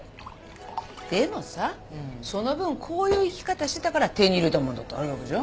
でもさその分こういう生き方してたから手に入れたものだってあるわけじゃん？